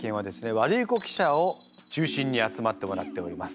ワルイコ記者を中心に集まってもらっております。